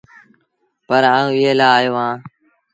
پر آئوٚنٚ ايٚئي لآ آيو اهآنٚ